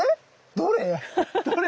どれ？